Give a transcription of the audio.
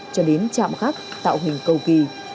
cho đến chạm khắc tạo hình cầu kỳ